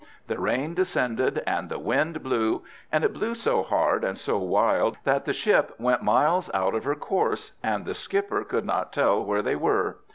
The rain descended, and the wind blew, and it blew so hard and so wild, that the ship went miles out of her course, and the skipper could not tell where they were.